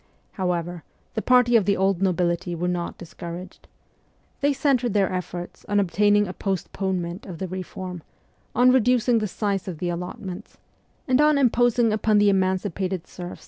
However, the party of the old nobility were not discouraged. They centred their efforts on obtaining a postponement of the reform, on reducing the size of the allotments, and on imposing upon the emancipated serfs